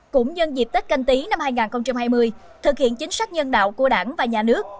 cũng nhân dịp tết canh tí năm hai nghìn hai mươi thực hiện chính sách nhân đạo của đảng và nhà nước